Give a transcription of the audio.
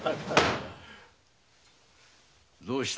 どうした？